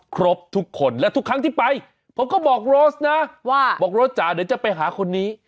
ครบทุกคนและทุกครั้งที่ไปผมก็บอกโรสนะว่าบอกโรสจ๋าเดี๋ยวจะไปหาคนนี้